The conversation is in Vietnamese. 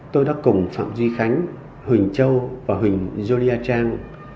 tôi đã cùng phạm duy khánh huỳnh châu và huỳnh jorya trang